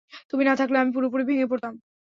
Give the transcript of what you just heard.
তুমি না থাকলে আমি পুরোপুরি ভেঙ্গে পড়তাম।